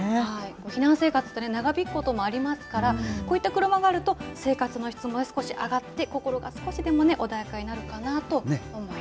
避難生活って長引くこともありますから、こういった車があると、生活の質も少し上がって、心が少しでも穏やかになるかなと思います。